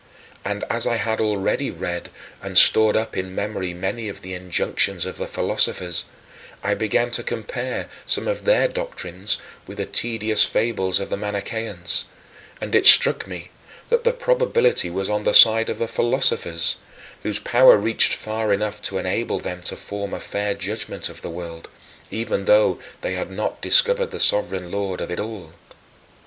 And as I had already read and stored up in memory many of the injunctions of the philosophers, I began to compare some of their doctrines with the tedious fables of the Manicheans; and it struck me that the probability was on the side of the philosophers, whose power reached far enough to enable them to form a fair judgment of the world, even though they had not discovered the sovereign Lord of it all.